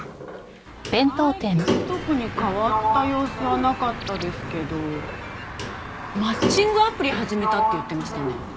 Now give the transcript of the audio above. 最近特に変わった様子はなかったですけどマッチングアプリ始めたって言ってましたね。